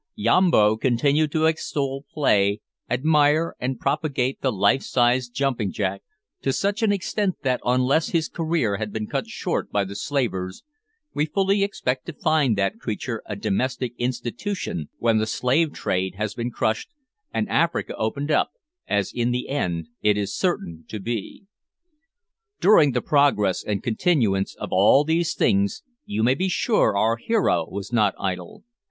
Yambo continued to extol play, admire, and propagate the life sized jumping jack to such an extent that, unless his career has been cut short by the slavers, we fully expect to find that creature a "domestic institution" when the slave trade has been crushed, and Africa opened up as in the end it is certain to be. During the progress and continuance of all these things, you may be sure our hero was not idle.